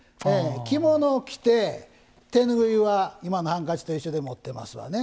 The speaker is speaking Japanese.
着物を着て、手拭いは今のハンカチと一緒で持ってますわね。